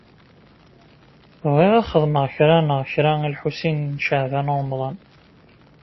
Bɣiɣ ad xedmeɣ kra neɣ kra i Lḥusin n Caɛban u Ṛemḍan.